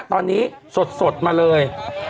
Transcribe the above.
ตอนนี้สดมาเลย